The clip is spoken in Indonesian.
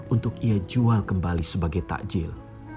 untuk ia jual kembali sebagai takjil